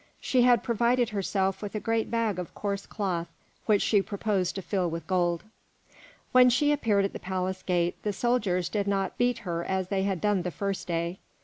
She had provided herself with a great bag of coarse cloth which she proposed to fill with gold. When she appeared at the palace gate the soldiers did not beat her as they had done the first day.